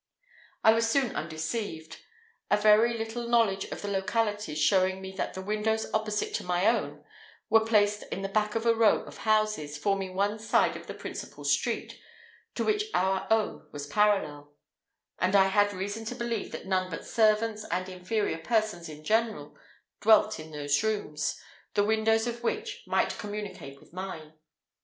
I was soon undeceived; a very little knowledge of the localities showing me that the windows opposite to my own were placed in the back of a row of houses, forming one side of the principal street, to which our own was parallel; and I had reason to believe that none but servants and inferior persons in general dwelt in those rooms, the windows of which might communicate with mine.